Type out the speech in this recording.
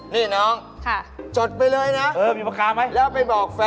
นี่น้องจดไปเลยนะค่ะ